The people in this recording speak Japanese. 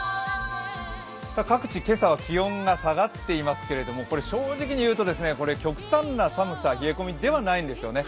各地今朝は気温が下がっていますけれども、極端な寒さ、冷え込みではないんですね。